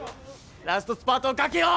ラストスパートかけよう！